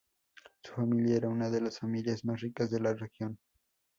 Su familia era una de las familias más ricas de la región.